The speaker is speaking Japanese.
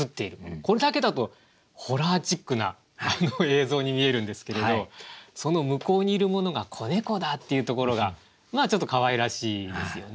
これだけだとホラーチックな映像に見えるんですけれどその向こうにいるものが子猫だっていうところがまあちょっとかわいらしいですよね。